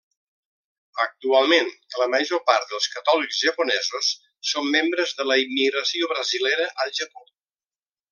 Actualment, la major part dels catòlics japonesos són membres de la immigració brasilera al Japó.